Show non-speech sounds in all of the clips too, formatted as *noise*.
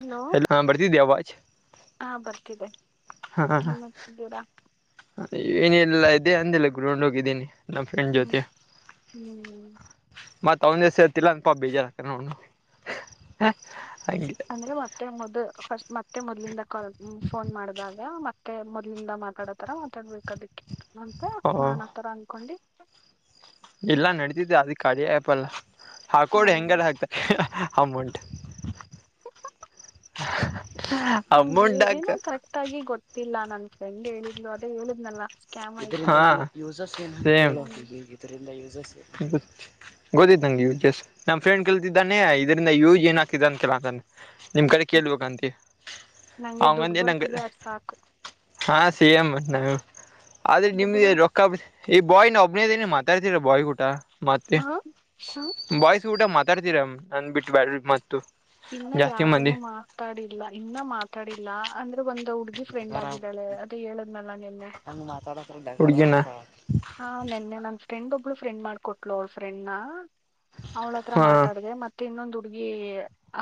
Hello ಎಲ್ಲ ಹಾ ಬರ್ತಿದ್ಯಾ ವಾಚ್ ಹಾ ಬರ್ತಿದೆ ಮಸ್ ಜೂರ ಏನಲ್ಲಾ ಇದೆ ಅಂದಿಲ್ಲ ಗ್ರೌಂಡ್ ಹೋಗಿದ್ದೀನಿ ನಮ್ಮ ಫ್ರೆಂಡ್ ಹ್ಮ್ ಜ್ಯೋತಿ ಹ್ಮ್ ಮತ್ತೆ ತ ಒ ಜಸತಿಲ್ಲ ಅಂತ ಪಾ ಬಜಾರ ಅಂದ್ರೆ ಮತ್ತೆ ಮದ ಫಸ್ಟ್ ಮತ್ತೆ ಮೊದ್ಲಿಂದ ಕಾಲ್ ಫೋನ್ ಮಾಡಿದಾಗ ಮತ್ತೆ ಮೊದ್ಲಿಂದ ಮಾತಾಡತಾರ ಮಾತಾಡ್ಬೇಕು ಅದಕ್ಕೆ ಅಂತ ಓ ನಾನ ಆತರ ಅಂದ್ಕೊಂಡಿ ಇಲ್ಲಾ ನಡತಿದ್ದ ಅದ ಕಡಿ ಆಪಲ್ಲ ಹಾ ಹಾಕೋ್ರಿ ಹೆಂಗಾರ ಹಾಕ್ತಾರೆ ಅಮಂಂಡ ಹ ಹಂಗಗೆ ಏನೋ ಕರೆಕ್ಟ್ ಆಗಿ ಗೊತ್ತಿಲ್ಲ ನನ್ ಫ್ರೆಂಡ್ ಹೇಳಿದ್ಲು ಅದೇ ಹೇಳಿದ್ನಲ್ಲ ಸ್ಕ್ಯಾಮ್ *inaudible* ಆಯ್ತು ಅಂತ ಹ್ಮ್ ಗೊತ್ತಿದ್ದಂಗೆ ಯಸ್ ನಮ್ಮ ಫ್ರೆಂಡ್ ಕೇಳ್ತಿದ್ದಾನೆ ಇದರಿಂದ ಯೂ ಏನ್ ಹಾಕಿದ ಅಂತ ಹ ನಿಮ್ ಕಡೆ ಕೇಳ್ಬೇಕ ಅಂತಿ ನಂಗೆ ದುಡ್ ಬರ್ತಿದೆ ಅರ್ಸಾಕ್ ಹಾ ಸಿ ಎಂ ನ ಆದ್ರೆ ದುಡ್ಡು ಬ ನಿಮಗೆ ರೊಕ್ಕಾ ಈ ಬಾಯ್ನ ಒಬ್ನೇದನ ಮಾತಾಡ್ತೀರ ಬಾಯ್ ಕೂಟ ಮತ್ತೆ ಹ ಹ ಬಾಯ್ಸ್ ಕೂಟ ರ್ತೀರ್ ನಂದ್ ಬಿಟ್ಟು ಬ ಮತ್ತ ಇನ್ನ ಯಾರನು ಮಾತಾಡಿಲ್ಲ ಇನ್ನ ಮಾತಾಡಿಲ್ಲ ಅಂದ್ರೆ ಒಂದು ಹುಡ್ಗಿ ಫ್ರೆಂಡ್ ಆಗಿದ್ದಾಳೆ ಅದ ಹೇಳದ್ನಲ್ಲ ನಿನ್ನೆ ಹುಡುಗಿನ ಹಾ ನೆನ್ನೆ ನನ್ ಫ್ರೆಂಡ್ ಒಬ್ಳ ಫ್ರೆಂಡ್ ಮಾಡ್ಕೊಟ್ಳ ಅವ್ಳ ಫ್ರೆಂಡ್ ನ ಅವ್ಳ ಹತ್ರ ಹಾ ಮಾತಾಡ್ದ ಮತ್ತೆ ಇನ್ನೊಂದು ಹಗಿ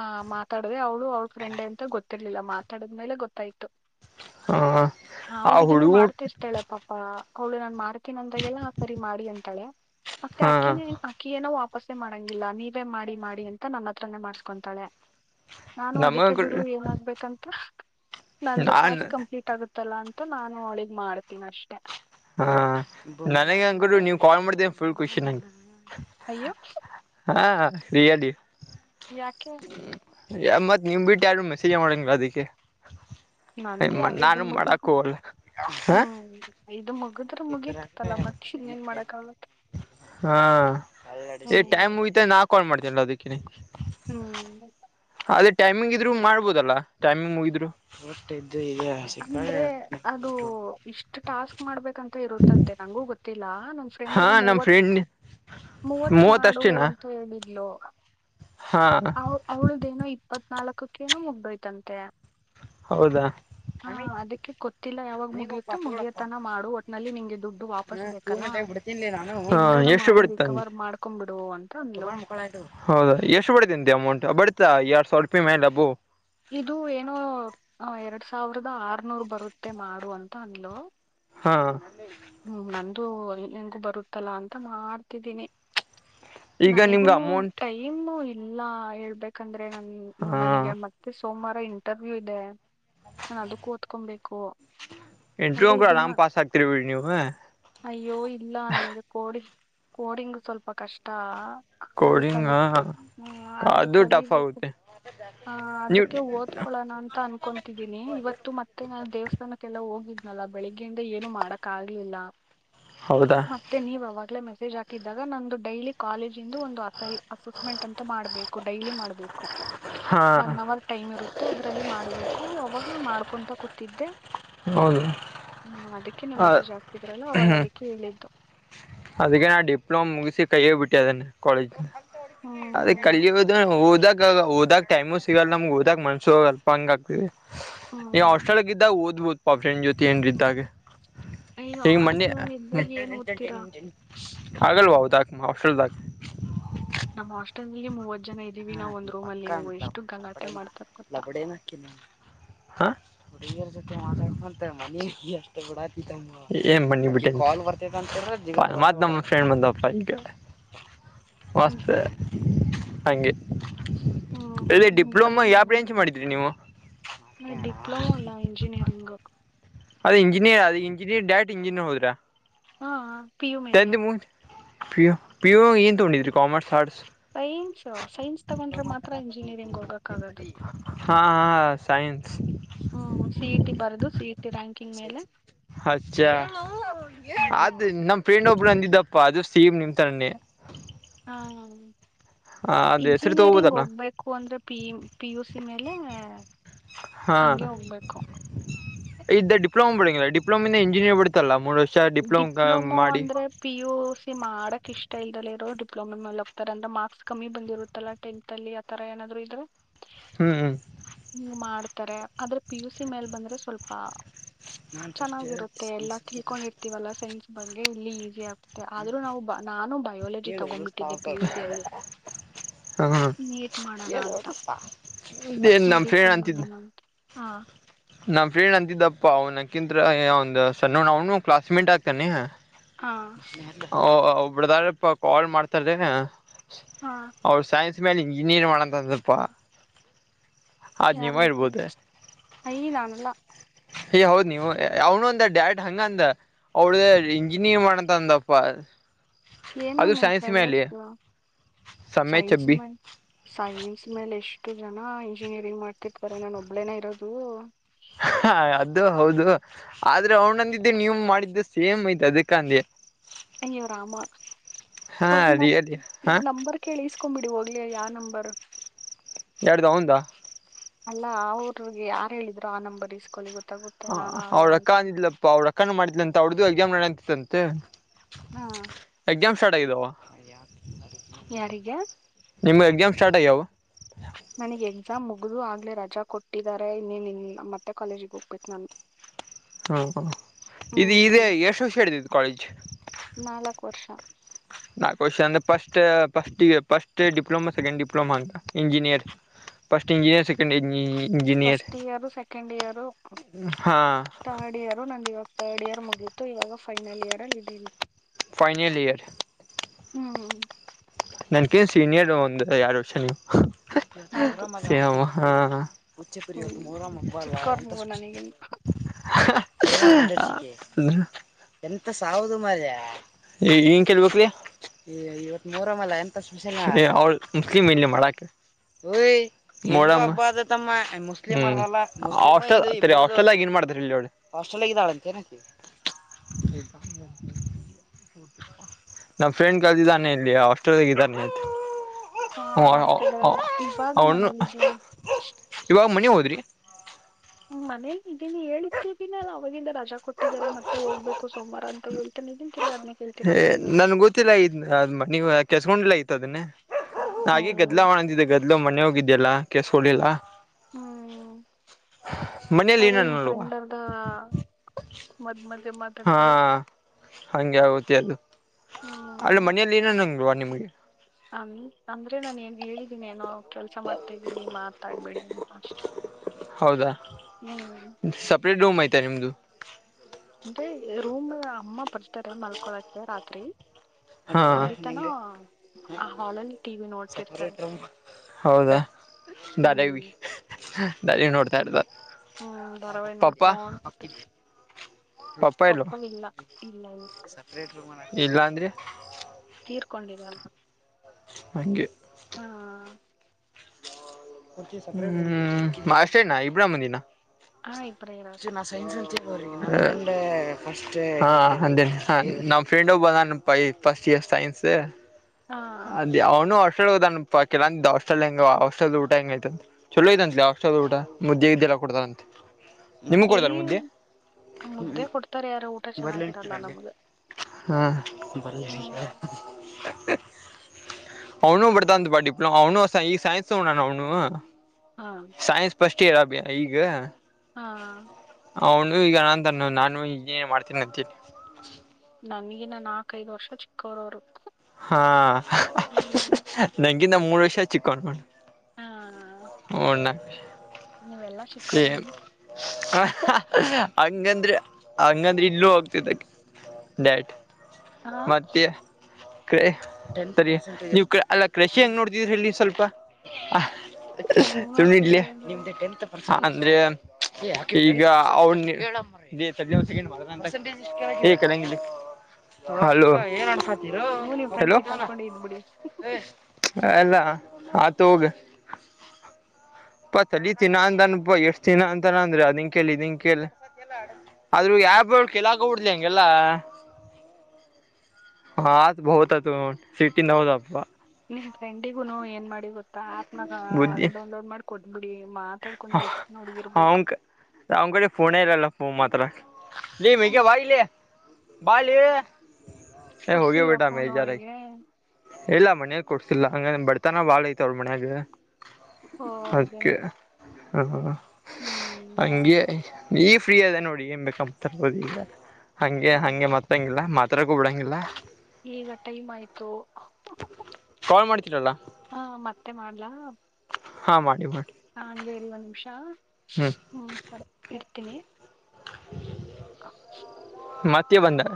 ಆ್ ಮಾತಾಡದೆ ಅವ್ಳು ಅವಳ ಫ್ರೆಂಡ್ ಅಂತ ಗೊತ್ತಿರ್ಲಿಲ್ಲ ಮಾತಾಡಿದ ಮೇಲೆ ಗೊತ್ತಾಯ್ತು ಹಾ ಹಾ ಆ ಹುಡುಗಿನೇ ಹುಡುಗ ಮಾಡ್ತಿರ್ತಾಳ ಪಾಪ ಕೌಳು ನಾನ್ ಮಾಡ್ ಅಕ್ಕಿನೊಂದಾಗೆಲ್ಲ ಕರಿ ಮಾಡಿ ಅಂತಾಳೆ ಮತ್ತೆ ಹಾ ಅಕ್ಕಿನ ಅಕ್ಕಿ ಏನೋ ವಾಪಾಸೆ ಮಾಡಂಗಿಲ್ಲ ನೀವೇ ಮಾಡಿ ಮಾಡಿ ಅಂತ ನನ್ನ ಹತ್ರನೇ ಮಾಡ್ಸ್ಕೊತಾಳೆ ನಾನು ಅದಕ್ಕೆ ನಮಗ ಬಿಡು ಏನಾಗ್ಬೇಕಂತ ನಂದು ನಾನ್ ಟಾಸ್ಕ್ ಕಂಪ್ಲೀಟ್ ಆಗುತ್ತೆ ಇತ್ತಲ್ಲ ಅಂತ ನಾನು ಅವಳಗ್ ಮಾಡ್ತೀನ ಅಷ್ಟೇ ಹಾ ನನಗೆ ಅಂಕು ನೀವ್ ಕಾಲ್ ಮಾಡ್ದೇ ಫುಲ್ ಖುಷಿ ನಂಗೆ ಅಯ್ಯೋ ಯಾಲಿ ಯಾಕೆ ಮತ್ತತ್ ನೀವ್ ಬಿಟ್ಟು ಯಾರು ಮೆಸೇಜ್ ಮಾಡೋಂಗಿಲ್ಲ ಅದಕ್ಕೆ ನಂದಿ ಐದು ನಾನು ಮಾಡಕ್ ಮುಗಿದ ಹೋಗಲ್ಲ ಹ ಹ್ಮ್ ಐದು ಮುಗ ಮುಗಿದ್ರೆ ಮುಗತತ್ತಲ್ಲಾ ಮತ್ತೆ ಇನ್ನೇಏನ್ ಮಾಡಕ್ ಆಗತ್ತೆ ಹಾ ಟೈಮ್ ಮುಯತ ನಾ ಕಾಲ್ ಮಾಡ್ತೇನಲ್ಲ ಅದಕ್ಕ ಹ್ಮ್ ಅದೇ ಟೈಮಿಂಗ್ ಇದ್ರು ಮಾಡ್ಬೋದಲ್ಲಾ ಟೈಮಿಂಗ್ ಮುಗಿದ್ರು ಅಂದ್ರೆ ಅದು ಇಷ್ಟ ಟಾಸ್ಕ್ ಮಾಡ್ಬೇಕಂತ ಇರುತ್ತಂತೆ ನಂಗೂ ಗೊತ್ತಿ ಇಲ್ಲ ನನ್ ಫ್ರೆಂಡ್ ಹಾ ಏನೋ ನಮ್ ಮೂವತ್ ಫ್ರೆಂಡ್ ಮೂವತ್ ಮಾಡು ಅಂತ ಹೇಳಿದ್ಲು ಹಾ ಅವ ಅವಳ್ದೇನೋ ಇಪ್ಪತ್ ನಾಲ್ಕಕ್ಕೇನು ಮುಗ್ತಾಯಿತ್ತಂತೆ ಹೌದಾ ಹಾ ಅದಕ್ಕೆ ಗೊತ್ತಿಲ್ಲ ಯಾವಾಗ ಮುಗಿಯುತ್ತ ಮುಗಿಯತನ ಮಾಡು ಒಟ್ನಲ್ಲಿ ನಿಂಗೆ ದುಡ್ಡು ವಾಪಸ್ ಬೇಕಲ್ಲಾ ಎಷ್ಟು ಬಿಡ ಮಾಡ್ಕೊಂಡ್ಬಿಡು ಅಂತ ಅಂದ್ಲು ಹೌದ ಎಷ್ಟು ಬಿ ಅಮೌಂಟ್ ಬಡ್ತಾ ಎರಡ್ ಸಾವಿ ರೂಪಾಯಿ ಮೇಲೆ ಅಬು ಇದು ಏನೋ ಎರಡ್ ಸಾವಿರದ ಆರ್ನೂರ್ ಬರುತ್ತೆ ಮಾರು ಅಂತ ಅನ್ಲವ ಹಾಂ ಹ್ಮ್ ನಂದುೂಂಗು ಬರುತ್ತಲ್ಲಾ ಅಂತ ಮಾಡ್ತಿದ್ದೀನಿ ಈಗ ನನಗೂ ನಿಮ್ಗ ಅಮೌಂಟ್ ಟೈಮ್ ಇಲ್ಲ ಹೇಳ್ಬೇಕಂದ್ರೆ ನ ಹಾ ನನಗೆ ಮತ್ತೆ ಸೋಮವಾರ ಇಂಟರ್ವ್ಯ ಇದೆ ನಾನು ಅದಕ್ಕೂ ತ್ಕೊಬೇಕು ಇಂಟ್ರವ್ಯೂ ಆದ್ರೆ ಕೂಡ ಇದನ್ನ ಆರಾಮ್ ಪಾಸ್ ಆಗ್ತಿರಿ ಬಿಡಿ ನೀವು ಅಯ್ಯೋ ಇಲ್ಲ ನಗೆ ಕೋಡಿ ಕೋಡಿಂಗ ಸ್ವಲ್ಪ ಕಷ್ಟ ಅದು ಕೋಡಿಂಗ ಕಲಿ ಅದು ಟಫ್ ಆಗುತ್ತೆ ಹ ನೀವು ಅದಕ್ಕೆ ಓದ್ಕೊಳೋಣ ಅಂತ ಅನ್ಕೊತಿದ್ದೀನಿ ಇವತ್ತು ಮತ್ತೆ ನಾ ದೇವಸ್ಥಾನಕ್ಕೆಲ್ಲ ಹೋಗಿದ್ದ ಲ್ಲ ಬೆಳಿಗ್ಗೆಯಿಂದ ಏನು ಮಾಡಕ್ ಆಗ್ಲಿಲ್ಲ ಹೌದಾ ಮತ್ತೆ ನೀವ ಅವಾಗ್ಲೇ ಮ ಮೆಸೇಜ್ ಹಾಕಿದ್ದಾಗ ನಂದು ಡೈಲಿ ಕಾಲೇಜ್ ಇಂದು ಒಂದು ಅಸೆಸ್ಮೆಂಟ್ ಅಂತ ಮಾಡ್ಬೇಕು ಡೈಲಿ ಮಾಡ್ಬೇಕು ಹಾ ಒನ್ ಅವರ್ ಟೈಮ್ ಇರುತ್ತೆ ಅದ್ರಲ್ಲಿ ಮಾಡ್ಬೇಕು ಅವಾಗ ನಾ ಮಾಡ್ಕೊಂತ ಕೊಟ್ಟಿದ್ದೆ ಹ ಅಕ್ಕ ಮೆಸೇಜ್ ಆಾತಿದ್ರಲ್ಲ್ಲ ಅವಾಗ ಅದಿಕ್ಕೆ ಹೇಳಿದ್ದು ಅದಕ್ಕೆ ನಾ ಡಿಪ್ಲೊಮ ಮುಗಿಸಿ ಕೈ ಹೋಗ್ಬಿಟ್ಟೆ ಅದನ್ನ ಕಾಲೇಜ್ ಅದೇ ಹ್ಮ್ ಕಲ್ಲಿ ಹೋದ ಹೋದಾಗ ಓದಾಗ ಟೈಮು ಸಿಗಲ್ಲ ನಮ್ಗೆ ಓದಕ್ ಮನ್ಸು ಅಲ್ಪ ಹಂಗ ಆಗ್ತದೆ ಈ ಹ್ಮ್ ಹಾಸ್ಟೆಲಾಲ್ಲಿದಾಗ ಓದಬೋದ ಫ್ರೆಂಡ್ ಜೋತಿ ಏನ್ ಇದಿದ್ದಾಗೆ ಅಯ ಹಾಸ್ಟೆಲ್ ಅಲ್ಲಿ ಇದ್ದಾಗ ಏನ್ ಓದ್ತೀರಾ ಆಗಲ್ಲ ಬಾವ ತಕ ಮಾ ಅಷ್ಟಲ್ ತಾ ನಮ್ಮ್ ಆಸ್ಟೆಲ್ಗೆ ಮೂವ ಜನ ಇದ್ದೀವಿ ನಾವ್ ಒಂದ್ ರೂಮ್ ಅಲ್ಲಿ ಇಷ್ಟು ಗಲಾಟೆ ಮಾಡ್ತಾರ ಗೊತ್ತ ಹುಡುಗಿಯರ ಜೊತೆ ಮಾತಾಡ್ಂತ ಮಿ ಬಿಡಾ ಮಿ ಬಿಟ್ಟಾಲ್ ಬರ್ತೈಂತ ಮತ್ತ ನಮ್ಮ್ ಫ್ರೆಂಡ್ ಬಂದಪ್ಪ ಈಗ ವಸ್ತತೆ ಹ್ಮ್ ಹಗೆ ಅೇ ಡಿಪ್ಲೊಮಾ ಯಾವ ಬ್ರಾಂಚ್ ಹ್ಮ್ ಮಾಡಿದ್ರಿ ನೀವು ಡಿಪ್ಲೊಮೋ ಇಲ್ಲ ಇಂಜಿನಿಯರಿಂಗ್ ಅದು ಇಂಜಿನಿಯರ್ ಅ ಇಂಜಿನಿಯರ್ ಡರೆಕ್ಟ್ ಇಂಜಿನಿಯರ್ ಹೋದ್ರಾ ಹಾ ಪಿ ಯು ಮೇಲೆ ಟೆಂತ್ ಮುಗಿಸಿ ಪಿ ಯು ಪಿ ಯು ಏನ್ ತಗೊಂಡಿದ್ರಿ ಕಾಮರ್ಸ್ ಆರ್ಟ್ಸ್ ಸೈನ್ಸ್ ಸೈನ್ಸ್ ತಗೊಂಡ್ರೆ ಮಾತ್ರ ಇಂಜಿನಿಯರಿಂಗ್ ಹೋಗಕ್ ಆಾಗದು ಹಾ ಹಾ ಸೈನ್ಸ್ ಬರದು ಸಿ ಇ ರ್ಯಾಂಕಿಂಗ್ ಮೇಲೆ ಅಚ್ಚಾ ಅದ ಹೋಗ್ಬೇಕು ನಮ ಫ್ರೇಂಡ್ ಒಬ್ ಇ ಅಂದಿದ್ದಪ್ಪ ಅದು ಸೀಮ್ ನಿಂತರನೇ ಹ್ಮ್ ಹ್ಮ ಅದ್ ಹೆಸರು ಇಂಜಿನಿಯರಿಂಗ್ ತಗೋಬೋದಲ್ಲ ಹೋಗ್ಬೇಕು ಅಂದ್ರೆ ಪಿ ಪಿ ಯುಸ ಮೇಲೆ ಹಂಗೆ ಹೋಗ್ಬೇಕು ಇದದು ಡಿಪ್ಲೋಮ ಪಡಿಂಗಿಲ್ಲ ಡಿಪ್ೋಮನಿಂದ ಎಂಜಿಯರ್ ಪಡತಲ್ಲ ಮೂ ಡಿಪ್ಲೊಮೋ ಅಂದ್ರೆ ಪಿ ಯು ಸಿ ಮಾಡಕ್ ಇಷ್ಟ ಇಲ್ದಲ್ಲಿ ಇರೋ ಡಿಪ್ಲೊಮ ಮೇಲೆ ಹೋಗತಾರೆ ಅಂದ್ರ ಮಾರ್ಕ್ಸ್ ಕಮ್ಮಿ ಬಂದಿರುತ್ತಲ್ಲ ಟೆಂತ್ ಅಲ್ಲಿ ಆ ತರ ಏನಾದ್ರು ಇದ್ರರು ಹ್ಮ್ ಹ್ಮ್ ಹ ಮಾಡ್ತಾರೆ ಆದ್ರೆ ಪಿ ಯು ಸಿ ಮೇಲ್ ಬಂದ್ರೆ ಸ್ವಲ್ಪ ಚೆನ್ನಾಗಿರುತ್ತೆ ಎಲ್ಲಾ ತಿಳ್ಕೊಂಡಿರ್ತೀವಲ್ಲ ಸೈನ್ಸ್ ಬಗ್ಗೆ ಇಲ್ಲಿ ಈಸಿ ಆಗ್ ಆದ್ರೂ ನಾವು ನಾನು ಬಯೋಾಲಜಿ ತಗೊಂಡ್ಬಿಟ್ಟಿದ್ದೆ ಪಿ ಯುಸಿಯಲ್ಲಿ ಹ ಹ ಮೆಡಿಕಲ್ ಹಾ ನಮ್ಮ ಫ್ರೆಂಡ್ ಅಂತಿದ್ದಪ್ಪ ಅವ್ನ ಅಕಿಂತತ್ರ ಒಂದ ಸಣ್ಣ ಅವನು ಕ್ಲಾಸ್ ಮೇಟ್ ಆಗ್ತಾನೆ ಹಾ ಒಬ್ರದಾರ ಕಾಲ್ ಮಾಡ್ತಾರೀ ಹಾ ಅವರು ಸೈನ್ಸ್ ಮೇಲೆ ಇಂಜಿನಿಯರಿ್ ಮಾಡಣ ತಂದಪಾ ಅದ್ ನೀಮ್ಮ ಇರ್ಬೋದೆ ಯ ನಾನಲ್ಲಾ ಏ್ ಹೌದ್ ನೀವು ಅವನು ಅಂದ ಡ್ಯಾರಡ್ ಹಂಗ ಅಂದ ಅವಳ್ದ ಇಂಜಿನಿಯರಿಂಗ್ ಮಾಡಂತ ಅಂದಪ್ಪ ಹ ಏನು ನಿಮ್ ಫ್ರೆಂಡ್ಸ್ತ ಸಮಯ ಸೈನ್ಸ್ ಚಬ್ಬಿ ಮ ಸೈನ್ಸ್ ಮೇಲೆ ಎಷ್ಟು ಇಷ್ಟು ಜನ ಇಂಜಿನಿಯರಿಂಗ್ ಮಾಡ್ತಿತಾರೆ ನಾನ ಒಬ್ಳೇನ ಇರೋದು ದು ಹೌದು ಆದ್ರೆ ಅವ್ನಂದಿದ್ದೆ ನೀವು ಮಾಡಿದ್ದೆ ಸೇಮ್ ಐ್ತು ಅದಕ್ಕ ಅಂದೆ ಹಂಗವ್ ರಾಮ ಹಾ ಒ ನ ರಿಯಲಿ ಹಾ ನಂಬರ್ ಕೇಳಸ್ಕೊಬಿಡಿ ಹೋಗ್ಲಿ ಯ ನಂಬರ್ ಎಡುದ ಹಿಂದ ಅಲ್ಲಾ ಅವ್ರಿಗೆ ಯಾರು ಹೇಳಿದ್ರು ಆ ನಂಬರ್ ಇಸ್ಕೊೊಳ್ಳ ಗೊತ್ತ ಹ ಅವ್್ರ ಅಕ್ಕ ಅಂದಿದಲಪ್ಪಾ ಅವ್ರ ಅಕ್ಕಾನ ಮಾಡಿದ್ಲ ಅಂತ ಅವಡ್ದು ಎಕ್ಸಾಮ್ ನಡಂತತ್ತುಂತೆ ಹ್ಮ ಹೆಡೈದ ಯಾರಿಗೆ ನಿಮ್ಗೆ ಎಕ್ಸಾಮ್ ಸ್ಟಾರ್ಟ್ಯ್ಯವು ನನಗ್ ಎಕ್ಸಾಮ್ ಮುಗ್ದ ಆಗ್ಲೇ ರಜಾ ಕೊಟ್ಟಿದ್ದಾರೆ ಇನ್ನ ಇನ್ ಮತ್ತೆ ಕಾಲೇಜಿಗೆ ಹೋಗ್ಬೇಕೇು ನಾನು ಹಾ ಇದು ಇೇ ಹ್ಮ್ ಎಶುಷ ಹಡಿದದು ಕಾಲೇಜ್ ನಾಲ್ಕು ವರ್ಷ ನಾ ಕ ಅಂದೆ ಫಸ್ಟ್ಫಸ್ ಫಸ್ಟ್ ಡಿಪ್ಲೋಮಾ ಸೆಕೆಂಡ್ ಡಿಪ್ಲೋಮಾ ಅಂತ engineer first engineer ಸೆಂಡ್ಂಜಿಯ first year second year ಹಾ ತರ್ಡ್ ಇಯರು ನ ದಿವಸ್ ರ್ಡ್ ಇಯರ್ ಮುಗೀತು ಇವಾಗ ಫೈನಲ್ ಇಯರ್ ಅಲ್ಲಿ ಇದೀತ್ತು ಫನಲ್ ರ್ ಹ್ಮ್ ನನ್ಕೇನ್ ಸೀನಿಯರ್ ಒಂದು ಎರಡು ವರ್ಷ ಹೌದು ನೀವು ಹ ಮುಚ್ಚೆಪುರಿ ಇವತ್ತು ಹ್ಮ್ ಮೂರಾಮ್ ಹಬ್ಬ ಅ ಚಿಕ್ಕವ್ರು ಎಂತ ನೀವು ಸುಕ್ಷ ನನಗೆ ಅ ಎಂತ ಸಾವದು ಮರ ಹನ್ ಕೇಳ್ಬೇಕಕ್ವತ್ತು ರ ಎ ಅವ ಮುಸ್ಲಿಮಂ ಇಲ್ಲಿ ಮಾಡಕ ಮ್ಮಸ್ ಆಸ್ಟ್ರೇಲಿಯ ಮಾಡ *unintelligible* ನಮ್ಮ್ ಫ್ರೆಂಡ್ ಕಲ್ದಿದ್ದಾನೆ ಇಲ್ಲಿ ಹಾಸ್ಟೆಲ್ದಾಗಿದ್ದಾನೆ ಹಾ ಹಾಸ್ಟೆಟಲ್ ಇವಾಗ ಅವನು ಮನೇಲಿಿದ್ದನೆ ಇವಾಗ ಮನಿ ಹೋದ್ರಿ ಹ್ಮ್ ಮನೇಲಿ ಇದೀನಿ ಹೇಳತ್ತಿದ್ದನಲ್ಲ ಅವವಾಗಿಂದ ರಜಾ ಕೊಟ್ಟಿದ್ದಾರೆ ಮತ್ತೆ ಹೋಗ್ಬೇಕು ಸೋಮವಾರ ಅಂತ ಹೇಳ್ತ ನಿನ್ ತಿರ್ಗಿ ಆಗ್ನೆಕ್ ಹೇಳ್ತೀರಪ್ಪ ನೀವು ನೀವು ಕೆಸ್ಕೊಂಡ್ಲ ದನ್ನೇ ಓ ಹಾಗೆ ಗದ್ಲ ಮಾಡಂತಿದ್ದ ಗದಲು ಮನೆ ಹೋಗಿದ್ದ್ಯಲ್ಲಾ ಕೆಸಕಳಿಲ್ಲ ಹ್ಮ್ ಮನೇಲಿ ಆದ್ರೆ ನಿಮ್ ಏನನಲ್ವಾ ಫ್ರೆಂಡ್ ಅವದ ಮದ್ ಮ ಹಾ ಹಂಗೆ ಆಗತಿ ಅದು ಅಲ್ಲಿ ಹ್ಮ್ ಮನೆಯಲ್ಲಿ ಏನ ನಂಗವಾ ನಿಮ ಹ ಹ ಅಂದ್ರೆ ನಾನು ಹೇಗ್ ಹೇಳಿದ್ದೀನಿ ಏನೋ ಕೆಲ್ಸ ಮಾಡ್ತಾ ಇದ್ದೀನಿ ಮಾತಾಡ್ಬೇಡಿ ಅಂತ ಅಷ್ಟೆ ಹೌದಾ ಹ್ಮ್ ಸಪ್ರೇಟ್ ರಡೂಮ್ ಐ್ತಾ ನಿಮ್ದು ಅಂದ್ರೆ ರೂಮ್ ಅಮ್ಮ ಬರ್ಸ್ತಾರಲ್ಲ ಮಲ್ಕೊಳಕ ರಾತ್ರಿ ಹಾ ಸಂಗೀತನ ಆ ಹಾಲಲ್ಲಿ ಟಿವ ವಿ ನೋಡ್ತಿರ್ತಾರೆ ಹೌದಾ ಹ್ಮ್ ದರಿವಿ ದರಿವಿ ನೋಡ್ತಾ ಇರ್ತಾರ ಹ್ಮ್ ಧಾರಾವಹ ಪಪ್ಪ ನೋಡ್ಕೊಟ್ಟ ಪಪ್ಪ ಇಲ್ವಾ ಇಲ್ಲ ಇಲ್ಲಾ ಅಂದ್ರಿ ಕೊಂಡಿರಲ್ಲ ಹಗೆ ಹಾ ಹ್ಮ್ ಅಷ್ಟೇನಾ ಇಬ್ರಾಮನಿನ ಹಾ ಇಬ್ರೇ ಇರೋದು ಚ ನ ಸ ಹ ಅೇ ನಮ್ ಫ್ರೆಂಡ ಬಂದ ಪ ಫಸ್ಟ್ ಇ ಸೈನ್ಸ್ ಹಾ ಅದ ಅವನು ಕೆಲ ಅಿದ್ದಸ್ೆಲ್ ಹೆಂಗ ಹೆಲ್ ಊಟ ಹೆಂಗೈಐತ ಚಲೋ ಐತ ಅತ್ ಹಟೆಲ್ ಊಟ ಮುದ್ದೆ ಇದ್ದ ಕೊಡ್ತಾರಂತೆ ನಿಮ ಏ ಕೊಡತಾರ ಈ ಮುದ್ದೆ ಮುದ್ದೆ ಕೊಡ್ತಾರೆ ಯಾರು ಊಟ ಚೆನ್ನಾಗಿರಲ್ಲ ನಮಗೆ ಹಾ ಅವನು ಅತಾ ಅಂದು ಬಾಟಿಪ್ಲ ಅವನುಸ ಈ ಸೈನ್ಸ ಅವ ನಾನು ಅವನು ಹಾ ಸೈನ್ಸ್ ಫಸ್ಟ್ ಇರ್ ಅಬ ಈಗ ಹಾ ಅವನು ಈಗ ನಾನು ತನ್ನ ನಾನು ಈಗೇನು ಮಾಡ್ತೀನಿ ಅಂತೀಿ ನನಗಿನ ನಾಲ್ಕೈದು ವರ್ಷ ಚಿಕ್ಕೋರವರ್ಕ್ಕೂ ಹಾ ನಗಿ ನ ಮೂರ್ ವರ್ಷ ಚಿಕ್ಕೊಂಡಕಿ ಹಾ ಹೊಂಡ ನೀವೆಲ್ಲಾ ಚಿಕ್ಕವ್ರೆ ಬಿಡಿ ಹಂಗಂದ್ರೆ ಹಂಗಂದ್ರೆ ಇಲ್ಲೂ ಹೋಗ್ತದ ಡ್ಯಾಟ್ ಹಾ ಕ ಸರಿ ನೀವು ಅಲ್ಲ ಕೃಷಿ ಹೆಂಗ್ ನೋಡ್ತಿದ್ರ ಹೇಳಿ ಸ್ವಲ್ಪ ಹೆಂಗ್ ಸುಮ್ನೆ ಇಡ್ಲಿ ನೋಡ್ತಿದೀರಿ ಅಂದ್ರು ನಿಮ್ದ ಟತ್ ಪರ್ಸ ಅಂದ್ರೆ ಯಾೆ ಈಗ ಅವ ಹೇ ಕಲಂಗ ಹಲೋ ನೀವು ನಿಮ್ ಫ್ರೆಂಡ್ ಹಲೋ ಕಿತ್ತಾಡ್ಕೊಂಡೆ ಇದ್ಬಿಡಿ ಎಲ್ಲ ಆ ತ ಹೋಗ ಪ ತಲಿ ತಿಿನ ಅಂದನ್ ಪ ಎಷ್ಟ್ ತಿಿನ ಅಂತಾನ ಅಂದ್ರಿ ಅದಿನ್ ಕಲ್ ಇದನ್ ಕಲ್ ಆದದ್ರೂ ಯಪ ಕೆಲ್ಲ ಹಕಬ ಬಿಡ್ಲಿ ಹಂಗೆಲ್ಲ ಹಾ ಆ ಭಹತ ತು ಸಿಟಿ ನದಪ್ಪ ನಿಮ್ ಫ್ರೆಂಡಿಗುನು ಏನ್ ಮಾಡಿ ಗೊತ್ತಾ ಆಪ್ನಾಗ ಡೌನ್ಲೋಡ್ ಮಾಡ್ಕೊಡ್ ಅವ ಅವ ಕಡೆ ೋನ್ ಆಲ್ಲ ಅಲ್ಲ ಮಾತ್ರ ನೀ ಮಗೆ ಹ್ಮ್. ಬಾಯಲ ಬ ಕುಡ್ಸವ ಫೋನ್ ಅವನಿಗೆ ಇಲ್ಲ ಮನ್ಯಾಗ ಕೊಡ್ಸಿಲ್ಲ ಹಂಗ ಬರ್ತಾನ ಬಾಳ ಐತ ಅವ್ರ ಮನ್ಯಾಗ ಹಓ ಹೌದೇನೆ ಅದಕ್ಕೆ ಹ ಅಂಗ ಈ ಫ್ರೀ ಅದೆ ನೋಡಿ ಏನ್ ಬೇಕಂಬತರ್ಬೋದು ಈಗ ಹಂಗೆ ಹಂಗೆ ಹ್ಮ್. ಮತ್ತಂಗಿಲ್ಲ ಮ ರಕ್ಕೂ ಬಿಿಡೋಂಗಿಲ್ಲ ಈಗ ಟೈಮ್ ಆಯ್ತು ಕಾಲ್ ಮಾಡ್ತೀರಲ್ಲ ಹಾ ಮತ್ತೆ ಮಾಡ್ಲಾ ಹಾ ಮಾಡಿ ಮಾಡಿ ಹಂ್ೆ ಇಲ್ವ್ ನಿಮಿಷ ಹ್ಮ್ ಸರಿ ಇರ್ತೀನಿ ಹ ಹ ಮತ್ತಿ ಬಂದಾ